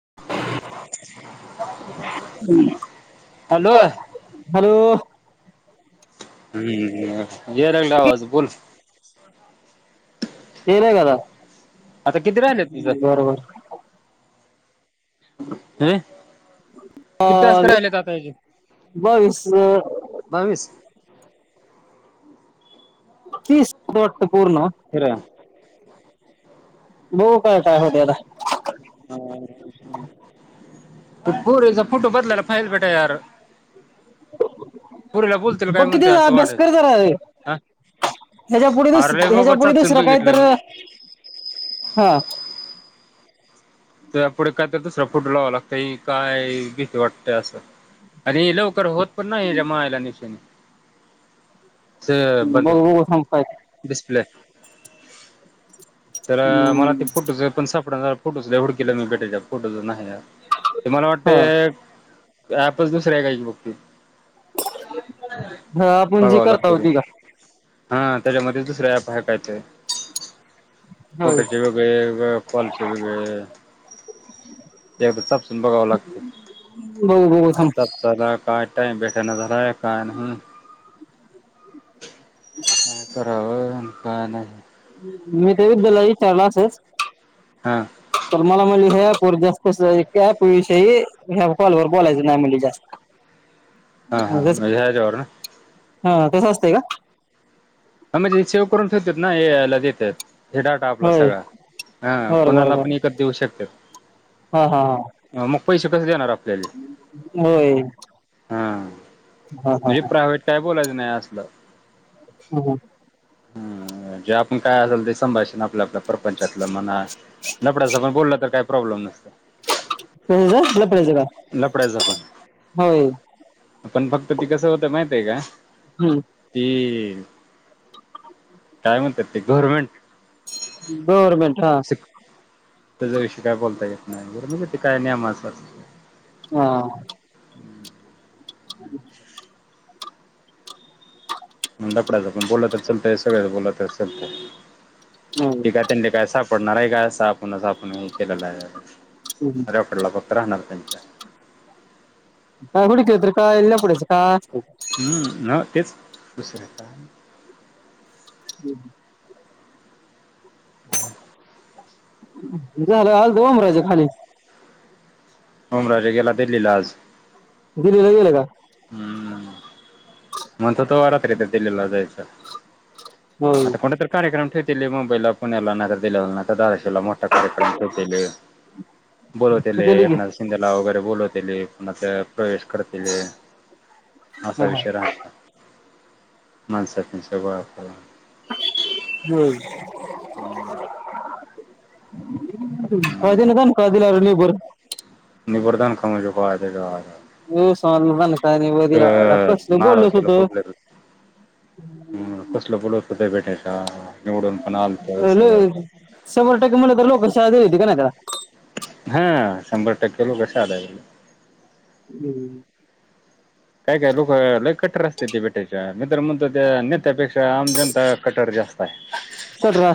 [inaudible] [inaudible] Hello हम्म जरंगला आवाज बोल [unintelligible] आता किती राहिले य तुझ बरोबर ह किती तास क अ राहिलेत आता याचे बावीस बावीस [unintelligible] पूर्ण खरं हो काय काय होते आता [unintelligible] त [unintelligible] फोटो बदलाला फाईल [unintelligible] यार [inaudible] पोरीला बोलतील काय प म्हणते किती जा असं अभ्यास वाटायचं कर जरा रे हा ह्याच्या पुढे दिस अरे लय ह्याच्या बाबा पुढे चापसून दुसरा काही बघितलं तर मी हा तर या पुुढे कायत दुसरा फोटो लावा लागतं काय किती वाटतंय असं आणि लवकर होत पण ना हेजा मायला निशन स बंद बघू बघू थांब काय डिस्प्ले तर मला ते फोटोच पण सापडा फोटोच [unintelligible] किलोमी बटरच्या [unintelligible] ते मला हा वाटतेय ते ॲपलच दुसर [unintelligible] बघतोय. हा आपण जी बघावं करता लागत म होती का हा आ तेच्यामध्ये दुसरं ऍप हाय कायतर होय फोटचे वेगळे कॉलचे वेगळे ते सपसून बघावं लागत बघू बघू थांब सपसाना काय टाईम भेटणा झालाय [unintelligible] काय करावं आणि काय नाइ मी ते [unintelligible] विचारल असच हा तर मला म्हणली मग अँप वर जास्त अस विषय कॉलवर बोलायचं नाइ म्हणली जास्त हा हा म हे [unintelligible] ना हा तसं असतंय का? ह म्हणजे सेव करून ठेवत्यात ऐ आय ला देत्यात. हे डाटा आपला होय सगळा हं बर बर कोणाला बर आपण ऐकत देऊ शकत. हा हा हा अ मग पैसे कसे देणार आपल्याले हा [inaudible] हा हा म्हणजे प्रायव्हेट काय बोलायचं नाइ असलं हम्म. हम्म जे आपण काय असेल ते संभाषण आपलं आपलं सरपंच्यातल म्हणा लफड्याचं पण बोल तर काय प्रॉब्लेम नाइ. होय काय लफड्याचा काय लफड्याचा पण का होय पण फक्त ती कसं होतं माहितीय काय हम् ती म्हणत्यात ती गव्हर्मेंट गव्हर्मेंट हा तेजाविषयी काय बोलता येत नाइ [unintelligible] हा आ. म लफड्याचं पण बोल तर चालतय आणि सगळ्याच बोलतर चालतय ते काय त्यांन काय सापडणार हाय काय अस आपण [unintelligible] काय रेकॉर्ड फक्त राहणार तेच्या [inaudible] अर काय लफड्याचं काय असतंय. हम्म ना तेच दुसरं काय? हम्म. झालं आज डोंगराच्या खाली उमराजे गेला दिल्लीला आज दिल्ली ला गेले का? म्हणत होत [unintelligible] रात्रीच दिल्लीला जायचं होय आता कुणीतर कार्यक्रम ठेव दिल्लीला, मुंबईला, पुण्याला [unintelligible] धाराशिव ला मोठा कार्यक्रम ठेवलेल बोलावतील गेली की एकनाथ शिंदेला वग बोलावतील मग प्रवेश करतेल असा विषय राहण माणसांना [unintelligible] गोळा करुन हम्म. हम्म. कळत ना दणका दिल [unintelligible] [unintelligible] [unintelligible] कसलं बोलत होत. हम्म कसलं बोलत [unintelligible] पण आलत सगळं [unintelligible] शंभर टक्के म्हटलं तर लोक शिव्या [unintelligible] का नाइ त्याला हा शंभर टक्के लोक साधाय हम्म. काय काय लोक लय कट्टर असते ते बेट्याच्या मी तर म्हणतो त्या नेत्यापेक्षा आम जनता कट्टर जास्त आहे. कट्टर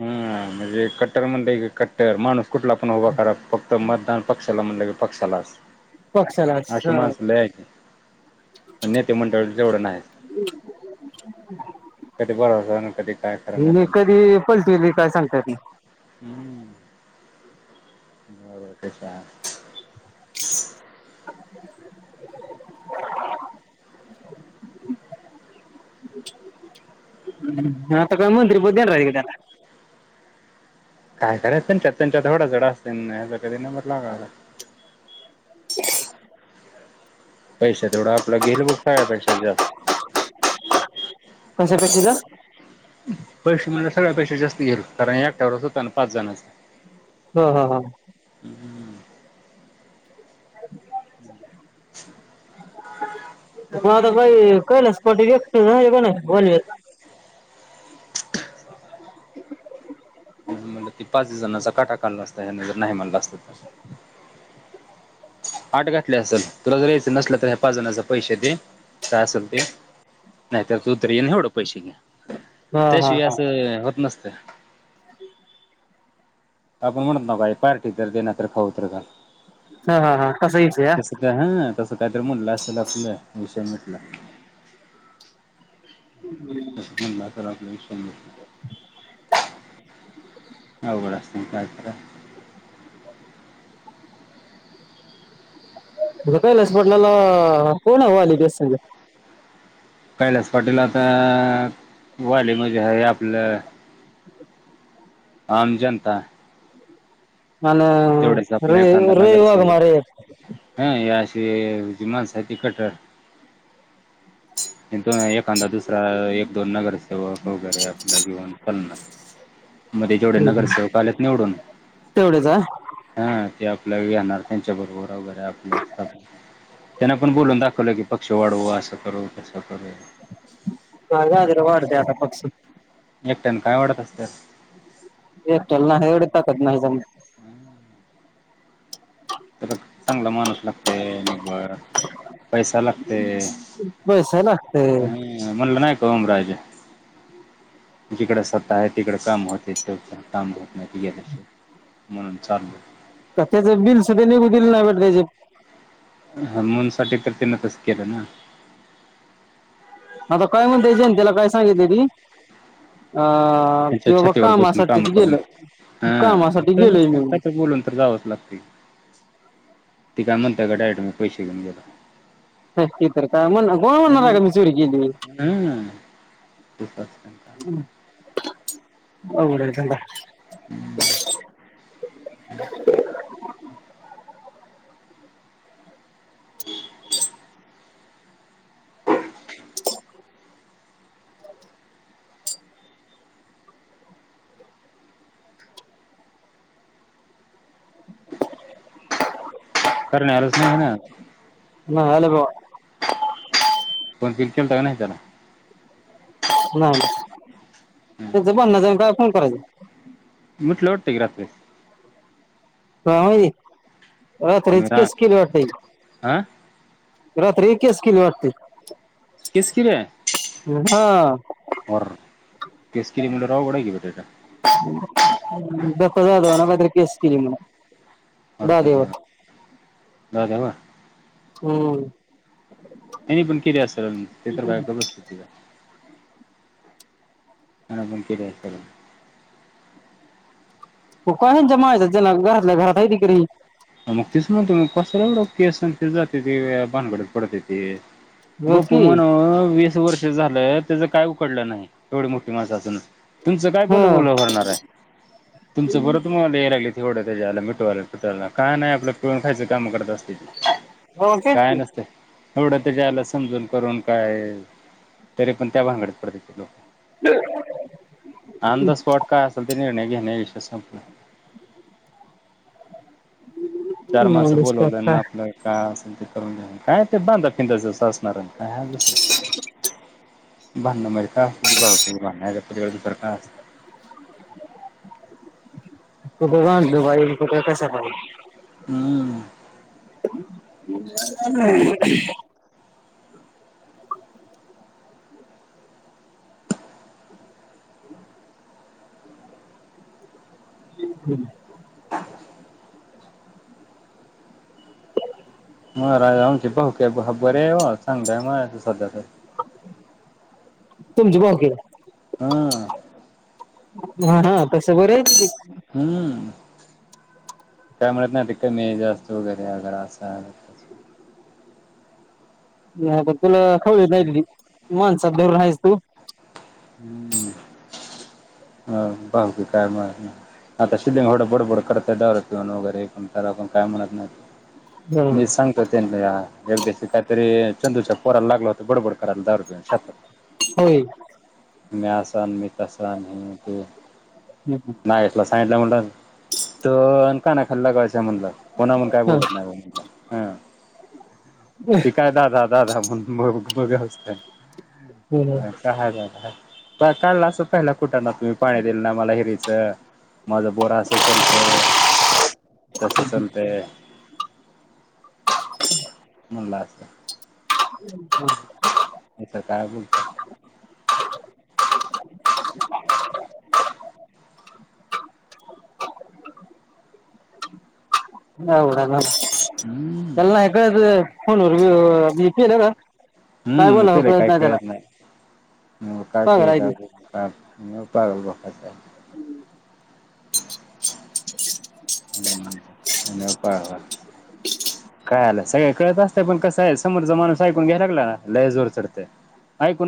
हम् म्हणजे कट्टर कट्टर म्हणजे कट्टर माणूस कुठला पण उभा करा फक्त मतदान पक्षाला म्हणल की पक्षालाच. पक्षालाच अशी माणसं लय आहेत. नेते मंडळी एवढं नाही. कधी भरवसा नाही कधी काय खरं नाही त्यांचं कधी पलटी काय सांगतात नाही हम्म हो ते तर आहे. हा आत्ता काय मंत्री पद देणारे का त्याला काय करायच त्यांच्यात त्यांच्यात तेवढं असत आणि ह्याचा कधी नंबर लागायचा. पैशा तेवढा आपलं गेल बघ सगळे पेक्षा जास्त. कशापैकी रे पैसे म्हणजे सगळ्या पेक्षा जास्त घेईल. कारण एकट्यावरच होता ना पाच जणाच हम् हम हा हम्म ह मता काही कैलास पाटील एकटे [unintelligible] कोण बोल मला ते पाच जणांचा काटा काढला असता ह्यान जर नाही म्हणलं असत तर, आठ घातली असल तुला जर यायचं नसल तर ह्या पाच जणाचे पैसे दे काय असेल ते नाहीतर तुतर येन एवढं पैशे घे. हा हा त्याशिवाय हा असं होत नसत. आपण म्हणत नाव का पार्टी तर दे णाय तर खाऊतर घाल. हा हा हा तसं हच आहे या. स्वतःतरी म्हला असल आपले विषय मिटला. म्हटलं तर आपल्या विष आऊघड असत कायत. काय लस म्हटल्याला कोणवं आली गस संजा. कैलास पाटील आता वाले म्हणजे हे आपलं आम जनता तेवढेच आणि आपल्या रवी एखादा रवी वाघमारे नगरसेवक हा या. तेजे माणसा ते कटर दोन एखादा दुसरा एक दोन नगरसेवक वगैरे आपल्या घेऊन चलणार. मध्ये जेवढे नगरसेवक आलेत निवडून तेवढेच हा ते आपल्या येणार त्यांच्या बरोबर वगैरे आपलं असतण. त्यांना पण बोलून दाखवलं की पक्ष वाढवू असं करू तसं करू. हा गजर वाढ द्याता पक्ष [unintelligible] एकट्यान काय वाढत असतय. हे चल ना हे एवढी ताकत नाही जम तला चांगला माणूस लागतय निभर पैसा लागते. पैसा लागतंय हम म्हणला नायक ओमराज जिकड सत्ता आहे तिकडे काम होतेव काम होत नाही गेल्याशिवाय म्हणून चाललंय. तर त्याच बिल सुद्धा निघू दिलं नाही बर त्याचे हा मन साठी तर तिन तस केलं ना आता काय म्हणते जेनतेला काय सांगितल अ किं बाबा कामासाठीच गेलं कामासाठी गेलोय मी हाच्या बोलून तर जावंच लागते तिका म्हणत्यां डायरेक्ट मी पैसे घेऊन गेलाव. सती तर काय म्हण कोण म्हणणार का मी चोरी केली हा [inaudible] आवगड हाय धंदा हम्म करण्याच नाहि ना नाही आले बाबा फोन बिन केलता का नाही नाहीे तेला नाही नाही तेंच भांडणच आहे आणि काय फोन करायचाय उठले वाटत्ये की रात्री हा होय मी रात्रीच रा केस केली वाटते हा रात्री केस किली वाटतेय केस कील्याय हा केस केली म्हटल्यावर आवगड हाय की दत्ता जाधव न काय तरी केली म्हण वर दाद्यावर जाऊ द्या बा हम्म त्यांनी पण केले असेल ते तर काय गप बस्त्यात होय आणि बण तरयकला [unintelligible] हो कायच्या मायच जना घरातल्या घरात तरी कस केस जात त भानगडत पडते ते बघ बपू की म्हन व वर्ष झालंय त्याच काय उकडलं नाही एवढी मोठी माणसा असून तुमचं काय हा बोल बोल होरणार आहे तुमचं बरं तुम्हाला यायला लागले तेवडं त्याच्याला मिटवायला फीटवायला काय नाही आप पळून खायं काम करत हो तेच काय की नसते एवढं त्याच्याला समजून करून काय तरी पण त्या भांगड्यात पडते ते लोक [inaudible] ऑन द स्पॉट काय असेल ते निर्णय घेणे विषय संपलं [unintelligible] चार मानस बोलवलंना काय आपल्या काय असेल ते करून घ्या काय ते बांधा फिस असणार नाही कायस भांना मार [inaudible] का भांडण दुसर का अस त का म्हणतो पाई क का कस पाहिल हम्म. ह हम्. [unintelligible] महाराज आमचे भाऊके बरे आहे हो सांगतय म सध्याच तुमची भावकी हम हा हा तसं बरं आहे हम्म. काय म्हणत नाही ते कमी जास्त वगैरे अगर असा तुला खवळीय माणसात भर राहायच तू ह हा भावकी काय म आता शिधंगडं बोडबोड करतय दारू पिऊन वगैरे पण त्या पण काय म्हणत नाही बरोबर मी सांगतो. त्यांनी एक दिवशी काहीतरी चंदूच्या पोराला लागला होता बडबड अकराला दारू पिऊन शांत होय नाही मी असन मी तसन नाही तुला सांगितलं म्हणल ना दोन कानाखाली लगवायचं म्हटलं कोणा काय बोलत नाही म्हटलं. ती काय दादा दादा म्हण कळल असं पहिला, कुठ ना तुम्ही पाणी देईल ना मला हिरीचं माझा बोर अस चलतय तस चलतय ह म्हणलं असल ह् हम काय बोलत ह होड ना हम्म एल ना का फन प का [unintelligible] काय हम्म ते बोलावं रे काही नाही त्याला कळत नाही काय पागल ते आहे काय का नपाारवाखत [unintelligible] [unintelligible] हम्पा काय आलं [unintelligible] सगळे कळत असते पण कसं आहे समोरचा माणूस ऐकून घ्याय लागला लई जोर चढते ऐकून